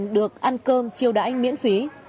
còn được ăn cơm chiêu đãi miễn phí